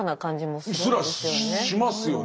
すらしますよね。